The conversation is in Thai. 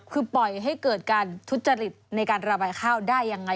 คือปล่อยให้เกิดการทุจริตในการระบายข้าวได้ยังไง